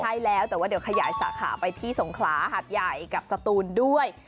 ใช่แล้วแต่ว่าเดี๋ยวขยายสาขาไปที่สงขลาหัดใหญ่กับสตูนด้วย